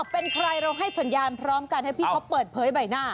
เป็นใครเราให้สัญญาณพร้อมกันให้พี่เขาเปิดเผยใบหน้า